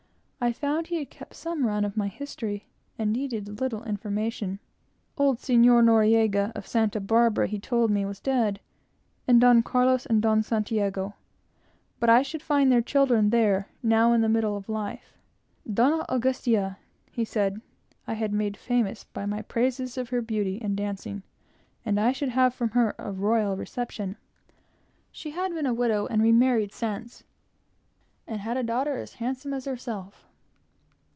I found he had kept some run of my history, and needed little information. Old Señor Noriego of Santa Barbara, he told me, was dead, and Don Carlos and Don Santiago, but I should find their children there, now in middle life. Doña Augustia, he said, I had made famous by my praises of her beauty and dancing, and I should have from her a royal reception. She had been a widow, and remarried since, and had a daughter as handsome as herself.